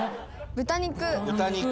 豚肉。